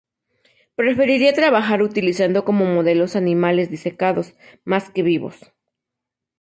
Prefería trabajar utilizando como modelos a animales disecados, más que vivos.